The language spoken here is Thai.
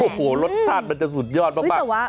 ถูกต้องรสชาติมันจะสุดยอดมาก